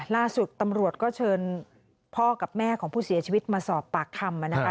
ล่าสุดตำรวจก็เชิญพ่อกับแม่ของผู้เสียชีวิตมาสอบปากคำนะคะ